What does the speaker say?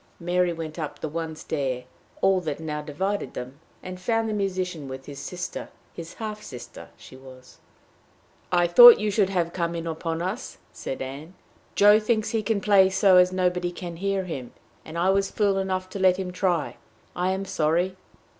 Mary went up the one stair all that now divided them, and found the musician with his sister his half sister she was. "I thought we should have you in upon us!" said Ann. "Joe thinks he can play so as nobody can hear him; and I was fool enough to let him try. I am sorry."